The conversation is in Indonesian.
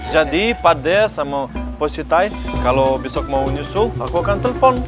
jadi pak ade sama pak siti kalau besok mau nyusul aku akan telepon